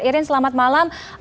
irin selamat malam